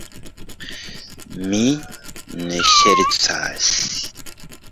Mi ne ŝercas.